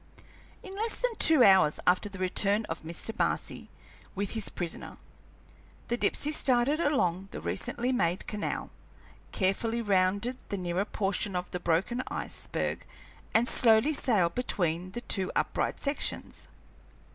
In less than two hours after the return of Mr. Marcy with his prisoner, the Dipsey started along the recently made canal, carefully rounded the nearer portion of the broken iceberg, and slowly sailed between the two upright sections.